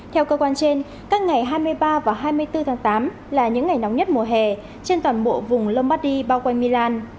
theo cơ quan trên các ngày hai mươi ba và hai mươi bốn tháng tám là những ngày nóng nhất mùa hè trên toàn bộ vùng lomardi bao quanh milan